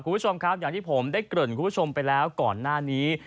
คุณผู้ชมครับอย่างที่ผมได้เกริ่นคุณผู้ชมไปแล้วก่อนหน้านี้